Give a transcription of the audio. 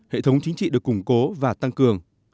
hệ thống chính trị được củng cố và tăng cường